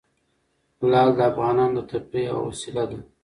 لعل د افغانانو د تفریح یوه وسیله ده.